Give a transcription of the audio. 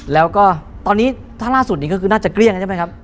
แล้วก็ตอนนี้ถ้าล่าสุดนี้ก็คือน่าจะเกลี้ยงใช่ไหมครับ